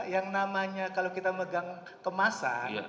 yang namanya kalau kita megang kemasan